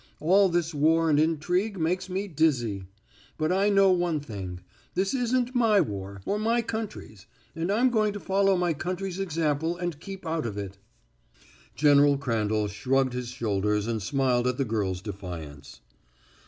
All this war and intrigue makes me dizzy. But I know one thing: this isn't my war, or my country's, and I'm going to follow my country's example and keep out of it." General Crandall shrugged his shoulders and smiled at the girl's defiance.